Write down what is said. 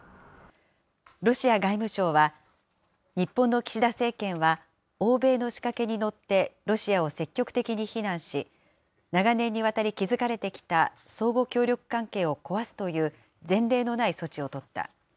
ロシア外務省は、日本の岸田政権は欧米の仕掛けにのってロシアを積極的に非難し、長年にわたり築かれてきた相互協力関係を壊すという、前例のない措置を取った。